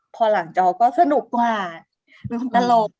พอหลังจอก็สนุกกว่าเป็นคนตลกค่ะ